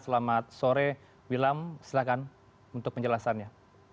selamat sore wilam silakan untuk penjelasannya